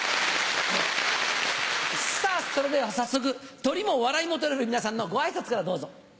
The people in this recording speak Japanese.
さあ、それでは早速、トリも笑いも取れる皆さんのごあいさつからどうぞ。